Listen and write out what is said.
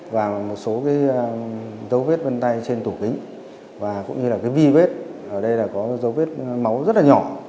và một số cái dấu vết vân tay trên tủ kính và cũng như là cái vi vết ở đây là có dấu vết máu rất là nhỏ